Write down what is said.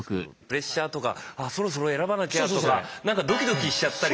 プレッシャーとかそろそろ選ばなきゃとかなんかドキドキしちゃったり。